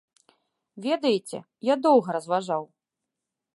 Ведаеце, я доўга разважаў.